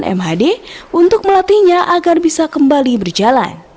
mhd untuk melatihnya agar bisa kembali berjalan